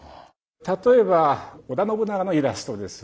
例えば織田信長のイラストです。